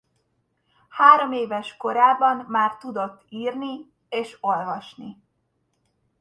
Hároméves korában már tudott írni és olvasni.